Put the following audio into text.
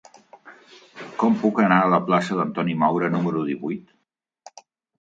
Com puc anar a la plaça d'Antoni Maura número divuit?